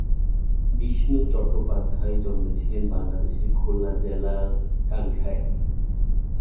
বিষ্ণু চট্টোপাধ্যায় জন্মেছিলেন বাংলাদেশের খুলনা জেলার খানকায়।